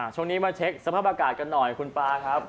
ช่วงนี้มาเช็คสภาพอากาศกันหน่อยคุณปลาครับ